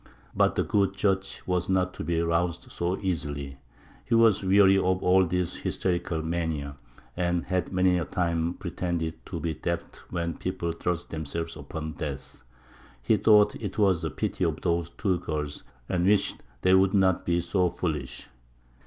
But the good judge was not to be roused so easily. He was weary of all this hysterical mania, and had many a time pretended to be deaf when people thrust themselves upon death; he thought it was a pity of these two girls, and wished they would not be so foolish.